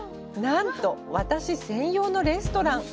なんと、私専用のレストラン！